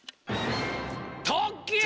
とっきゅう！